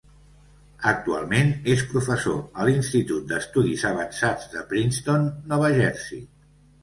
Actualment és professor a l'Institut d'Estudis Avançats de Princeton, Nova Jersey.